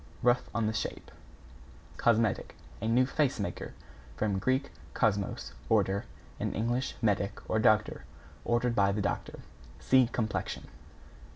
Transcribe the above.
Rough on the shape. =COSMETIC= A new face maker. From Grk. kosmos, order, and Eng. medic, or doctor, ordered by the doctor. (See Complexion.)